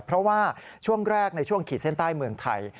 เพราะว่าช่วงแรกในช่วงขีดเส้นใต้เมืองไทย